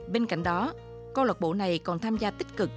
bên cạnh đó cô lộc bộ này còn tham gia tích cực